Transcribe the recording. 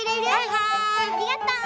ありがとう。